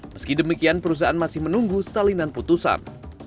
meski demikian perusahaan masih menunggu salinan putusan